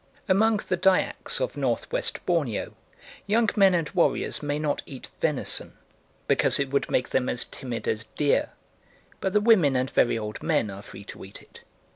Among the Dyaks of North West Borneo young men and warriors may not eat venison, because it would make them as timid as deer; but the women and very old men are free to eat it.